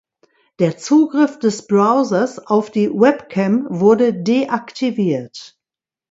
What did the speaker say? Der Zugriff des Browsers auf die Webcam wurde deaktiviert.